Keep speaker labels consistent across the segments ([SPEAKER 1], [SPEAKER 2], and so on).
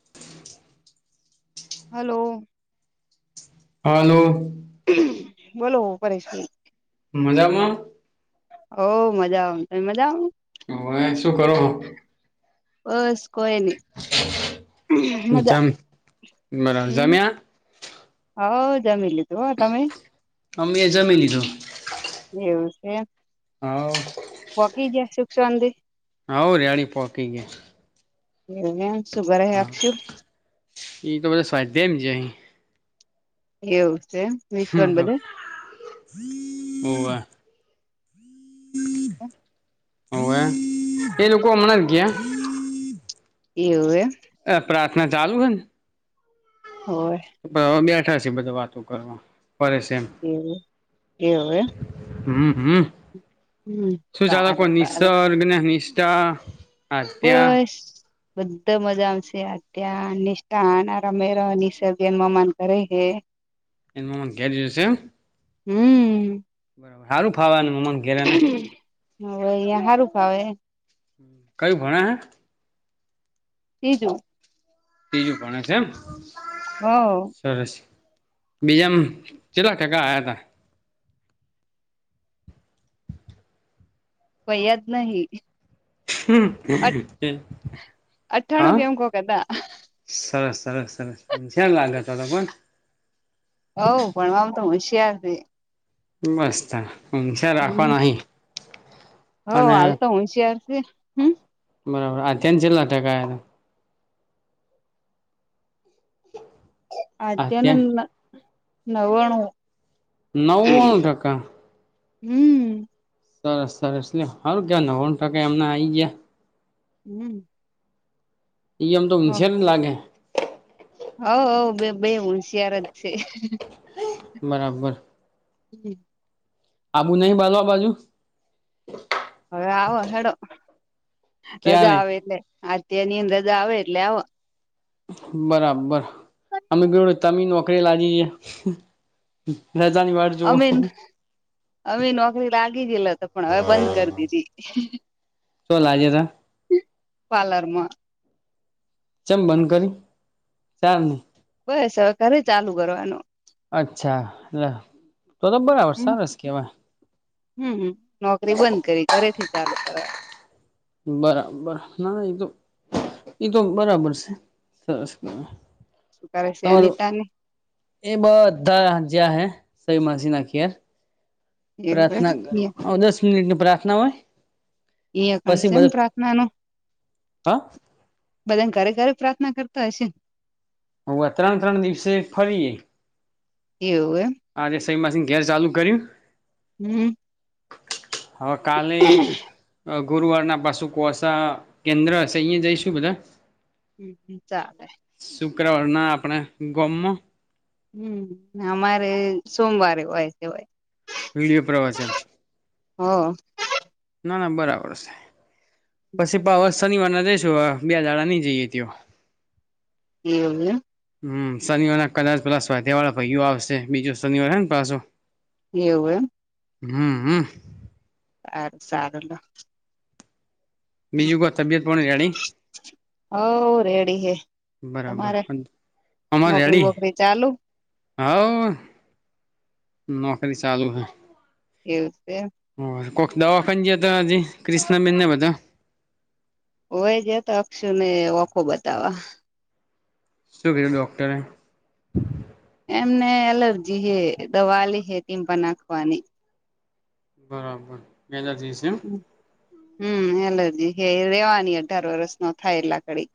[SPEAKER 1] [inaudible]
[SPEAKER 2] Hello
[SPEAKER 1] હાલો
[SPEAKER 2] બોલો પરેશભઈ.
[SPEAKER 1] મજામાં?
[SPEAKER 2] હોવ મજામાં. તમે મજામાં?
[SPEAKER 1] હોવે શું કરો હો?
[SPEAKER 2] બસ કોઈ ની મજા.
[SPEAKER 1] જમ બરાબર
[SPEAKER 2] હમ
[SPEAKER 1] જમ્યા
[SPEAKER 2] હોવ જમી લીધું હો. તમે?
[SPEAKER 1] અમે જમી લીધું.
[SPEAKER 2] એવું છે એમ.
[SPEAKER 1] હોવ
[SPEAKER 2] પોગી ગયા સુખ શાંતિ?
[SPEAKER 1] હોવ રેડી પોકી ગયા.
[SPEAKER 2] એવું એમ શું કરે હે
[SPEAKER 1] હા
[SPEAKER 2] અક્ષુ?
[SPEAKER 1] ઈ તો બધા સ્વાધ્યાયમાં જયા હૈ.
[SPEAKER 2] એવું છે એમ. વિશ્વન
[SPEAKER 1] [inaudible]
[SPEAKER 2] બધે
[SPEAKER 1] હોવે હોવે એ લોકો હમણાં ગયા
[SPEAKER 2] એવું એમ.
[SPEAKER 1] એ પ્રાર્થના ચાલુ હેન?
[SPEAKER 2] હોવે.
[SPEAKER 1] તો હવે બેઠા છે બધા વાતો કરવા ફરે છે એમ.
[SPEAKER 2] એવું એવું એમ.
[SPEAKER 1] હમ હમ
[SPEAKER 2] હમ
[SPEAKER 1] શું ચાલે કો
[SPEAKER 2] સારું સારું
[SPEAKER 1] નિસર્ગ ને નિષ્ઠા આધ્યા
[SPEAKER 2] બસ બધા મજામાં છે. આધ્યાને, નિષ્ઠાના આ રમેરા ને નિસર્ગ એના મામાના ઘરે હૈ.
[SPEAKER 1] એન મામાના ઘેર ગયો છે એમ?
[SPEAKER 2] હમ
[SPEAKER 1] બરાબર હારું ફાવે એન મામાના ઘેર એને
[SPEAKER 2] હોવે અહીંયા હારું ફાવે.
[SPEAKER 1] હમ કયું ભણે હે?
[SPEAKER 2] તીજું.
[SPEAKER 1] તીજું ભણે છે એમ?
[SPEAKER 2] હહ
[SPEAKER 1] સરસ બીજામ ચેટલા ટકા આયાતા?
[SPEAKER 2] પૈયાદ નહી. અઠ
[SPEAKER 1] હમ
[SPEAKER 2] અઠ્ઠાણું
[SPEAKER 1] હા?
[SPEAKER 2] કેમ કોક હતા
[SPEAKER 1] સરસ સરસ સરસ હોશિયાર લાગે તો તો બોન.
[SPEAKER 2] હવ ભણવામાં તો હોશિયાર છે.
[SPEAKER 1] બસ ત્યારે હિશા રાખવા નહિ
[SPEAKER 2] હો
[SPEAKER 1] અને
[SPEAKER 2] હાલ તો હોશિયાર હમ.
[SPEAKER 1] બરાબર આદયા ને કેટલાક ટકા આયા
[SPEAKER 2] આધ્યાને
[SPEAKER 1] આધ્યાન
[SPEAKER 2] ન નવાણું.
[SPEAKER 1] નવણું ટકા
[SPEAKER 2] હમ.
[SPEAKER 1] સરસ સરસ ને હારુ કેવાય નવાણું ટકા એમને આઈ ગયા
[SPEAKER 2] હમ.
[SPEAKER 1] એ અમ તોઉ ની છેેને લાગે- -
[SPEAKER 2] હવ હવ બે બે હોશિયાર જ છે.
[SPEAKER 1] બરાબર- -
[SPEAKER 2] હમ.
[SPEAKER 1] આબુ નહિ બાલવા બાજુ- -
[SPEAKER 2] હવે આવો હેડો રજા
[SPEAKER 1] ક્યારે
[SPEAKER 2] આવે એટલે આડેણીયાની રજા આવે એટલે આવો- -
[SPEAKER 1] બરાબર અમે કે તમમે નોકરી લાગી ગયા રજાની વા- -
[SPEAKER 2] અમે અમે નોકરી લાગી ગયલા તો પણ હવે બંધ કરી દીધી.
[SPEAKER 1] શો લાજે તા- -
[SPEAKER 2] હમ પાલરમાં- -
[SPEAKER 1] ચમ બંધ કરયુ ચાલ નહી.
[SPEAKER 2] બસ હવે કરું ચાલુ કરવાનું.
[SPEAKER 1] અચ્છા એટ તો તો બરાબર સરસ કેવા- -
[SPEAKER 2] હમ હમ નોકરી બંધ કરી ઘરે થી ચાલુ કરવાના- -
[SPEAKER 1] બરાબર ના એ તો તો બરાબર છે સરસ ક- -
[SPEAKER 2] કરે છે અનિતા ની- -
[SPEAKER 1] એ બ બધા જ્યાં હૈ સઈ માસી ના ઘેર- -
[SPEAKER 2] એ
[SPEAKER 1] પ્રાર્થના કરવા દસ મિનિટ ની પ્રાર્થના હોય- -
[SPEAKER 2] એયા કણસે એમ પ્રાર્થના નું-
[SPEAKER 1] હા
[SPEAKER 2] - બધાને ઘરે ઘરે પ્રાર્થના કરતા હશે.
[SPEAKER 1] હ આ ત્રણ ત્રણ દિવસે ફરીએ- -
[SPEAKER 2] એવુંવે- -
[SPEAKER 1] હા સહેમાંસી ઘેર ચાલુ કર કરીયું.
[SPEAKER 2] હમ.
[SPEAKER 1] હા કાલે- - ગુરુવાર ના પાસુ કોસા કેન્દ્ર હશે અહિયા જઈશું બધા- -
[SPEAKER 2] હમ ચાલે.
[SPEAKER 1] શુક્રવાર ના આપણે ગમ- -
[SPEAKER 2] હમ અમારે સોમવારે હોય કેવાય- -
[SPEAKER 1] વીડિયો પ્રવચન- -
[SPEAKER 2] હા.
[SPEAKER 1] ના ના બરાબર છે પછી શનિવારના જઈશું બે દાડા નહી જઈએ ત- -
[SPEAKER 2] એવુ- -
[SPEAKER 1] હમ શનિવારના કલર પ્લસ વધ્યા વાળા ભૈઈઓ આવશે બીજું શનિવાર હ ને પાછું.
[SPEAKER 2] એવું એમ?
[SPEAKER 1] હમ્મ હમ્મ
[SPEAKER 2] સ સારડ- -
[SPEAKER 1] બીજું કોઈ તબિયત પોણી રેડી
[SPEAKER 2] હ રેડી હ
[SPEAKER 1] બરાબર
[SPEAKER 2] તમારે
[SPEAKER 1] અમાર
[SPEAKER 2] નોકરી
[SPEAKER 1] રેડી
[SPEAKER 2] વોકરી ચાલુ?
[SPEAKER 1] હવ નોકરી ચાલુ હૈ.
[SPEAKER 2] એવું છે?
[SPEAKER 1] કો દવાખાનજી હતાજી ક્રિષ્ બિન ના બધ- -
[SPEAKER 2] હોય જ તો અક્ષુ ને ઓખો બતાવા.
[SPEAKER 1] શું કિધું ડોક્ટરે?
[SPEAKER 2] એમને એલર્જી હે દવા લ હે તેમ પણ નાખવાની- -
[SPEAKER 1] બરાબર પેલા જયસુ
[SPEAKER 2] હમ્મ એલર્જી હે રેવાની અઢાર વરસ નો થાય એ લ કડી- -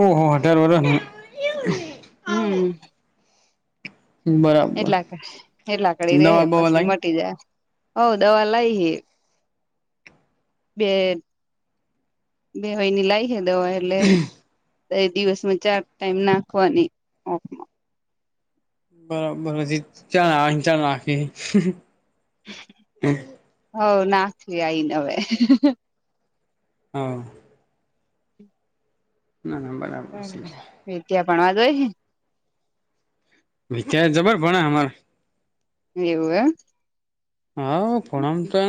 [SPEAKER 1] ઓહ હો અઠાર વર્ષ ન- -
[SPEAKER 2] હમ્મ
[SPEAKER 1] બરાબર
[SPEAKER 2] એ લાકડી
[SPEAKER 1] દવા
[SPEAKER 2] રે
[SPEAKER 1] બવા
[SPEAKER 2] પછી
[SPEAKER 1] લાઈ
[SPEAKER 2] મટી જાય હોઉ દવા લઈ હ બે બે હોયની લાય [unintelligible] દવા એટલે દિવસમાં ચાર ટાઈમ નાખવાની ઓ
[SPEAKER 1] બરાબર [unintelligible]
[SPEAKER 2] હવ નાખવી અયને હવે
[SPEAKER 1] હમ્મ ના ના બરાબર છે
[SPEAKER 2] [unintelligible] ભણવા ગયે
[SPEAKER 1] [unintelligible] જબર ભણ અમાર
[SPEAKER 2] એવું હ
[SPEAKER 1] હા ભણવાનું છે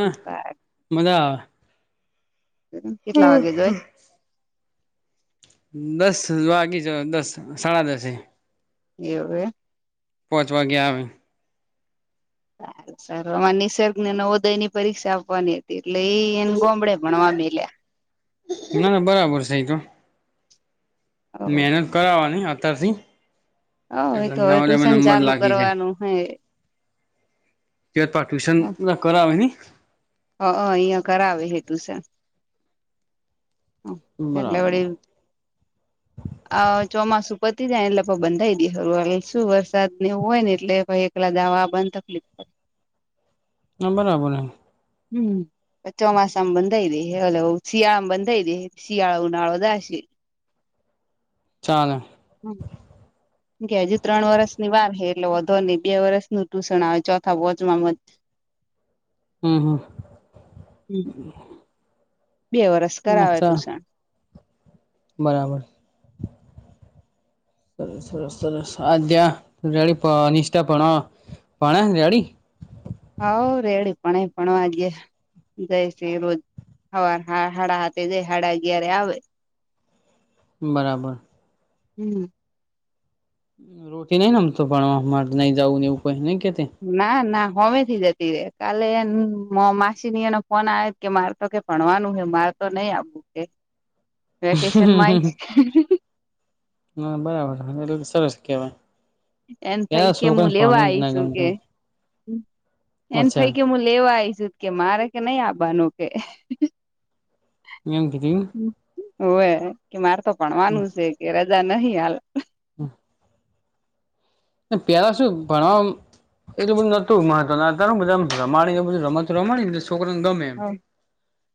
[SPEAKER 1] મજા આવે
[SPEAKER 2] કેટલા વાગે ગયે
[SPEAKER 1] દસ વાગી જાયે દસ સાડા દસે
[SPEAKER 2] એવુ હોયે
[SPEAKER 1] પોચ વાગે આવે
[SPEAKER 2] આમાં નિસર્ગ ને નવો દય ની પરીક્ષા આપવાની એટલે એ એને ગોમડે ભણવા મ લ્યા
[SPEAKER 1] ના ના બરાબર છે એ ભી
[SPEAKER 2] હવ
[SPEAKER 1] મહેનત કરાવવાની અત્યારથી
[SPEAKER 2] હ એ
[SPEAKER 1] એટલે
[SPEAKER 2] તો હવે
[SPEAKER 1] નવમાં
[SPEAKER 2] ટ્યુશન
[SPEAKER 1] નંબર
[SPEAKER 2] ચાલુ
[SPEAKER 1] લાગી જાય
[SPEAKER 2] કરવાનું હે
[SPEAKER 1] [unintelligible] ટ્યૂશન કરવાની
[SPEAKER 2] હ હ અહિયાં કરાવે હે ટ્યૂશન એટલે
[SPEAKER 1] બરાબર
[SPEAKER 2] વળી અ ચોમાસું પતી જાય એટલે બંધાઈ દઈ શું વરસાદ ને હોય ને એટલે ભાઈ લા દવા [unintelligible] તકલીફ નહીં
[SPEAKER 1] હ બરાબર
[SPEAKER 2] હમ્મ ચોમાસા મા બઁધાયે રે હલો શિયાળામ બંધઈે શિયાળો ઉનાળો દાશે
[SPEAKER 1] ચાલે
[SPEAKER 2] હમ્મ કે હજી ત્રણ વર્ષની વાર હે એટલે વધો નહી બે વર્ષનું ટુશન આવે ચોથા વોચમાં
[SPEAKER 1] હમ્મ
[SPEAKER 2] હમ્મ.
[SPEAKER 1] હમ્મ
[SPEAKER 2] બે વરસ કરાવે
[SPEAKER 1] અચ્છા
[SPEAKER 2] ટ્યુશન
[SPEAKER 1] બરાબર સરસ સરસ સરસ અજ્યા ડડી પા નિષ્ઠા પણ પણી રેડી
[SPEAKER 2] હવ રેડી પણ એ ભણવા ગ્યા જાય છે રોજ હવાર હાડા હાથે જાય હાડા અગિયારે આવે
[SPEAKER 1] બરાબર
[SPEAKER 2] હમ્મ
[SPEAKER 1] રોટી નહીં આમ ભણવા મારે નઈ જવું એવુંઈ નઈ કેતી
[SPEAKER 2] ના ના હોમેથી જતી રે કાલે માસીની એનો ફોન આયોતો કે મારે તો કે ભણવાનું હ મારે તો નઈ આવવું કે વેકેશનમાં
[SPEAKER 1] હમ્મ
[SPEAKER 2] આઈશ
[SPEAKER 1] હા બરાબર એટલે સરસ કેહેવાય
[SPEAKER 2] એમ થાય કેમું લેવા આઈશું કે એને
[SPEAKER 1] અચ્છા
[SPEAKER 2] ફાઈ કે મું લેવા આઈશું કે મારે કે નહી આવવાનું કે
[SPEAKER 1] એ મ કીધું એમ
[SPEAKER 2] રોવે કે મારે તો ભણવાનું છે કે રજા નહી હાલે
[SPEAKER 1] હમ્મ પેલા શું ભણવા એટું બધું નોતું ના તાર બધા રમાણીને બધું રમતું રમાણી બધ છોકરા ને ગમે એમ
[SPEAKER 2] હ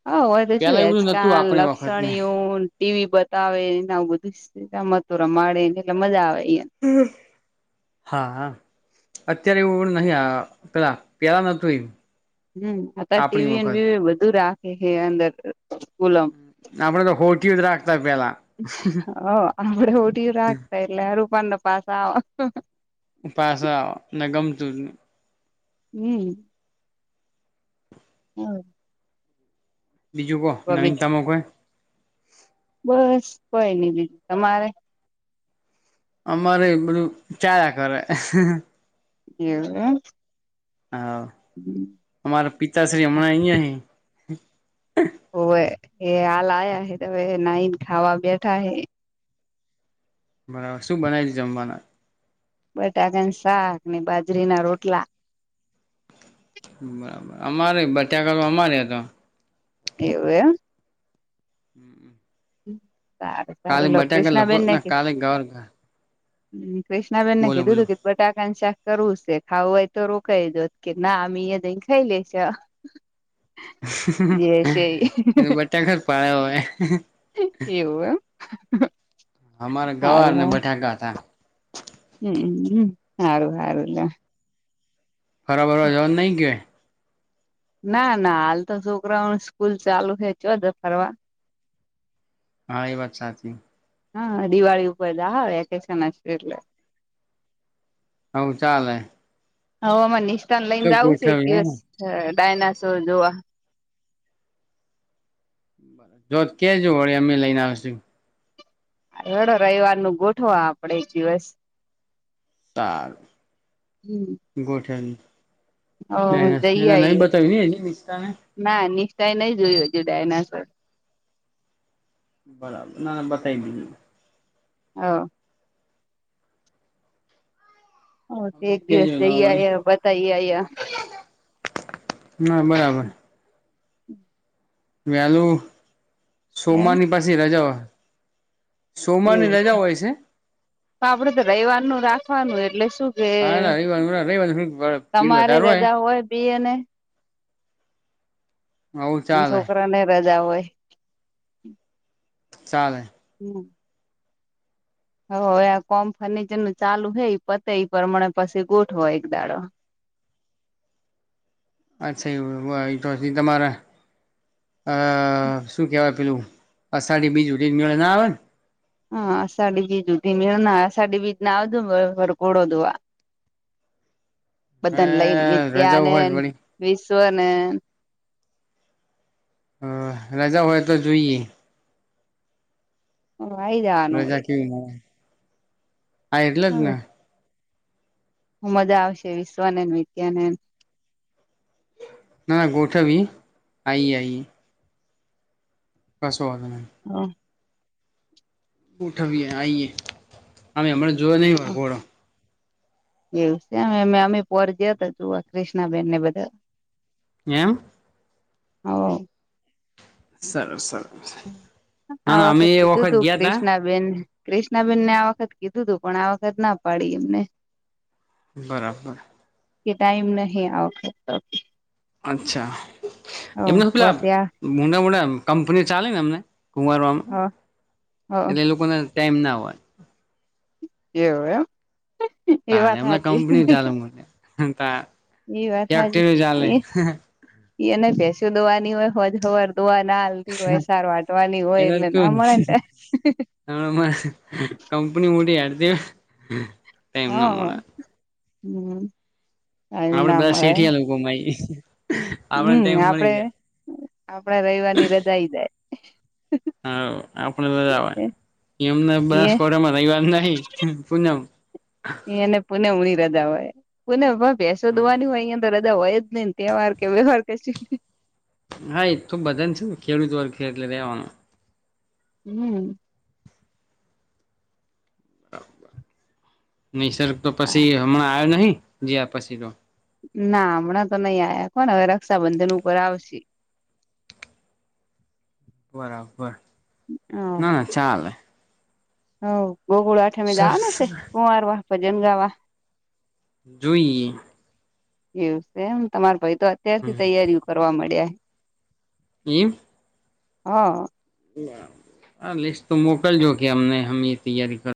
[SPEAKER 2] હ હોય તો શું
[SPEAKER 1] પેલા એવું બધું નતું
[SPEAKER 2] હચકાન
[SPEAKER 1] આપણી વખત ને
[SPEAKER 2] લક્ષણયુંન ટીવી બતાવે ને આવું બધું રમતો રમાડે ને કે મજા આવે
[SPEAKER 1] હમ્મ હા અત્યારે એવું નહીં આવે પેલા પેલા નોતું એમ
[SPEAKER 2] હમ્મ અતા
[SPEAKER 1] આપણી
[SPEAKER 2] ટીવી અને
[SPEAKER 1] વખત
[SPEAKER 2] બીવી બધું રાખે છે અંદર સ્કૂલો
[SPEAKER 1] આપડે તો હોટીયું જ રાખતા પેલા
[SPEAKER 2] હ આપડે ઓઢું રાખતા એટલે રૂપાણને પાસા આવેવા
[SPEAKER 1] પાસ આવ ને ગમતું ની
[SPEAKER 2] હમ્મ હ
[SPEAKER 1] બીજું કોહો નવીનતામાં કો
[SPEAKER 2] બસ કોઈ નહી દી તમારે
[SPEAKER 1] અમારે એ બધું ચાલીયા કરે
[SPEAKER 2] એવ એમ
[SPEAKER 1] હા
[SPEAKER 2] હમ્મ
[SPEAKER 1] અમારા પિતાશ્રી હમણાં અહીંયા હી
[SPEAKER 2] ઓવે એ હાલ આયા હે ત નાઈને ખાવા બેઠા હૈ
[SPEAKER 1] બરાબર શું બનાવી દ જમવામા
[SPEAKER 2] બટાકા નુ શાક ને બાજરી ના રોટલા
[SPEAKER 1] વાહ વાહ અમારે બટાકા તો અમારે હતો
[SPEAKER 2] એવું એમ
[SPEAKER 1] હમ્મ
[SPEAKER 2] સારું સારું લો
[SPEAKER 1] લગભગ
[SPEAKER 2] કૃષ્નાબેનને
[SPEAKER 1] ના
[SPEAKER 2] કીધ
[SPEAKER 1] કાલે ગવાર
[SPEAKER 2] હમ્મ કૃષ્ણ બેન ને
[SPEAKER 1] બોલો
[SPEAKER 2] કિથુ તુ
[SPEAKER 1] બોલો
[SPEAKER 2] કે બટાકાનું શાક કરવું છે ખાવું હોય તો રોકાઇ જો ત કે ના અમે યા જઈ ન ખઈ લઇશુ. શે ઈ
[SPEAKER 1] બટાકા જ [unintelligible]
[SPEAKER 2] [unintelligible] એવું એમ.
[SPEAKER 1] અમારે ગવાર ને બટાકા હતા.
[SPEAKER 2] હમ્મ હમ્મ સારું હારું લ્યો.
[SPEAKER 1] ફરવા બરવા જવાનું નહીં ન ક્યાંય.
[SPEAKER 2] ના ના હાલ તો છોકરાઓને સ્કૂલ ચાલુ થઈ ચો જાય ફરવા
[SPEAKER 1] હા એ વાત સાચી.
[SPEAKER 2] હા દિવાળી ઉપર જાહ, વેકેશન હશે એટલે.
[SPEAKER 1] આવું ચાલે.
[SPEAKER 2] હવે અમાર નિષ્ઠા ન
[SPEAKER 1] તો
[SPEAKER 2] લઈને જાવું છે એક દિવસ
[SPEAKER 1] ગોઠવ્યું
[SPEAKER 2] ડાયનાસોર જોવા.
[SPEAKER 1] જોત કેજો વળી અમે લઈન આવશું.
[SPEAKER 2] હેડો રવિવારનું ગોઠવો આપડે એક દિવસ
[SPEAKER 1] તાર
[SPEAKER 2] હમ
[SPEAKER 1] ગોઠવીએ. ને
[SPEAKER 2] હ જઈ
[SPEAKER 1] [unintelligible] નહિ
[SPEAKER 2] આઈએ
[SPEAKER 1] બતાયું હજી નિષ્ઠાને.
[SPEAKER 2] ના નિષ્ઠા એ નહિ જોયુ હજી ડાયનાસોર
[SPEAKER 1] બરાબર ના ના બતાઇ [unintelligible]
[SPEAKER 2] હવ ઓહ તે
[SPEAKER 1] અમને
[SPEAKER 2] એક દિવસ
[SPEAKER 1] કેજો તો
[SPEAKER 2] જઈ
[SPEAKER 1] વળી
[SPEAKER 2] આવ્યા બતાઈ આયા.
[SPEAKER 1] ના બરાબર. વેલું
[SPEAKER 2] હે
[SPEAKER 1] સોમવારની પાછી રજાઓ
[SPEAKER 2] એવું છે, તો આપડે તો રવિવારનું રાખવાનું એટલે શું. કે
[SPEAKER 1] હા રવિવારનું [unintelligible] બિલ વધાર હોય.
[SPEAKER 2] ઇ અને
[SPEAKER 1] આવું
[SPEAKER 2] અન
[SPEAKER 1] ચાલે
[SPEAKER 2] છોકરા ને રજા હોય.
[SPEAKER 1] ચાલે
[SPEAKER 2] [unintelligible] હ હવે આ કોમ ફર્નિચર નું ચાલુ હે ઇ પતે ઈ પરમાણે પછી ગોઠવો એક દાડો.
[SPEAKER 1] અચ્છા એવુ તો તમારા અ શું કહેવાય પેલું અષાઢી બીજ [unintelligible] ના આવે ન
[SPEAKER 2] હા અષાઢી બીજ સુધી મેળ ના અષાઢી બીજના આવજો વરઘોડો જોવા. બધાને લઈને
[SPEAKER 1] હ
[SPEAKER 2] વિદ્યા
[SPEAKER 1] રજા
[SPEAKER 2] ને
[SPEAKER 1] હોય
[SPEAKER 2] ન
[SPEAKER 1] વળી
[SPEAKER 2] વિશ્વને
[SPEAKER 1] હ રજા હોય તો જોઈએ.
[SPEAKER 2] તો આઈ જાવા નુ વળી.
[SPEAKER 1] [unintelligible] હા એટલે જ ને.
[SPEAKER 2] હું મજા આવશે વિશ્વને ન વિદ્યાને
[SPEAKER 1] ના ના ગોઠવવી આઈ એ આઈ એ. કશો વોધો નઈ.
[SPEAKER 2] હા.
[SPEAKER 1] ઉઠવીએ આઈએ અમે હમણાં જોયો નહીં વરઘોડો
[SPEAKER 2] એવું છે અમે અમે પોર ગયા તા જોવા ક્રિષ્ના બહેન ને બધા
[SPEAKER 1] એમ
[SPEAKER 2] હઓ
[SPEAKER 1] સર સર
[SPEAKER 2] આ વખત કીધું તું
[SPEAKER 1] ગયા તા
[SPEAKER 2] ક્રિષ્ન બેન ક્રિષ્નાબેનને આ વખત કીધું તું પણ આ વખત ના પાડી એમને
[SPEAKER 1] બરાબર
[SPEAKER 2] કે ટાઈમ નહી આવ તો ઓ ઓ
[SPEAKER 1] અચ્છા એમના તો
[SPEAKER 2] હ
[SPEAKER 1] પેલા
[SPEAKER 2] વસ્યા
[SPEAKER 1] મીના મોડા કંપની ચાલે ને અમને કુમારવામાં
[SPEAKER 2] હ હ એવું
[SPEAKER 1] એટલે એ લોકોને ટાઈમ ના હોય
[SPEAKER 2] એવુ એમ એ
[SPEAKER 1] તાર
[SPEAKER 2] વાત
[SPEAKER 1] એમને
[SPEAKER 2] હાચી
[SPEAKER 1] કંપની ચાલે મને ત્યાં
[SPEAKER 2] એ વાત હાચી
[SPEAKER 1] ફેક્ટરી ચાલે
[SPEAKER 2] એને ભેંસો દોવાની હોય હોજ હવાર દોવા નાલ થી હોય સાર વાટવાની હોય એટલે ના મળે ને તે
[SPEAKER 1] હમણા કંપની મોટી હેડ તી હોય
[SPEAKER 2] હા હમ્મ.
[SPEAKER 1] આપડે બધા શેઠીયા લોકોમાં આઈ એ
[SPEAKER 2] હમ્મ આપડે આપડે રવિવાર ની રજા આઈ જાય
[SPEAKER 1] હઓ આપડે બધામા એમને બનાસકાંઠા રવિવાર નહી પૂનમ
[SPEAKER 2] એ એને પુનમ હુદી રજા હોય પુન ભેંસો દોવાની હોય અંયા અંદરજ ને હોય જ નહીને તહેવાર કે વ્યવહાર કશું
[SPEAKER 1] હા એ તો બધાને છે ખેડૂત વર્ગ એટલે રેવાનું
[SPEAKER 2] હમ્મ.
[SPEAKER 1] [unintelligible] નિસર્ગ તો પછી હમણાં આવ્યો નહી જયા પછી તો
[SPEAKER 2] ના હમણાં તો નઈ આયા કોન હવે રક્ષાબંધન ઉપર આવશે
[SPEAKER 1] બરાબર ના ચાલે
[SPEAKER 2] હઓ ગોકુળ આઠમી
[SPEAKER 1] સરસ
[SPEAKER 2] જવાનું છે કુંવાર વા ભજન ગાવા
[SPEAKER 1] જોઈએ
[SPEAKER 2] એવું છે એમ તમારા ભાઈ તો અત્યારથી
[SPEAKER 1] હમ
[SPEAKER 2] તૈયારીઓ કરવા મંડ્યા હે
[SPEAKER 1] ઇમ
[SPEAKER 2] હા.
[SPEAKER 1] હા લિસ્ટ તો મોકલજો કે અમને હમે તૈયારી કર